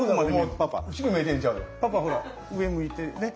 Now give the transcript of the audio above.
パパほら上向いてねっ？